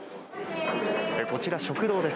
こちら、食堂です。